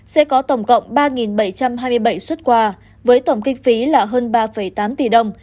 sẽ có tổng cộng ba bảy trăm hai mươi bảy xuất quà với tổng kinh phí là hơn ba tám tỷ đồng